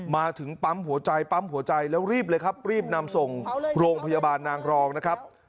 มาถึงปั๊มหัวใจปั๊มหัวใจแล้วรีบเลยครับรีบนำส่งโรงพยาบาลนางรองนะครับ